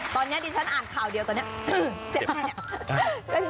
ตอนนี้ดิฉันอาจเกิดข่าวเดียว